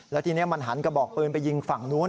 แล้วทีนี้มันหันกระบอกปืนไปยิงฝั่งนู้น